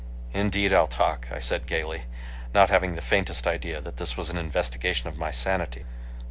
"Indeed I'll talk," I said gaily, not having the faintest idea that this was an investigation of my sanity.